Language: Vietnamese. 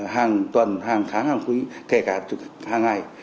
hàng tuần hàng tháng hàng quý kể cả hàng ngày